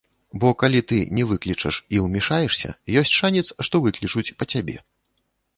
Бо калі ты не выклічаш і ўмяшаешся, ёсць шанец, што выклічуць па цябе.